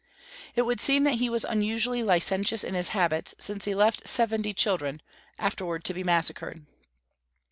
It would seem that he was unusually licentious in his habits, since he left seventy children, afterward to be massacred.